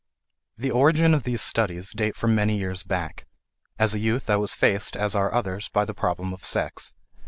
The origin of these Studies dates from many years back. As a youth I was faced, as others are, by the problem of sex.